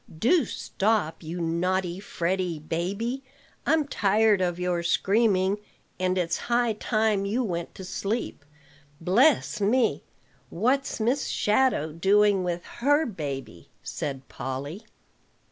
"Do stop, you naughty, fretty baby. I'm tired of your screaming, and it's high time you went to sleep. Bless me! what's Miss Shadow doing with her baby?" said Polly.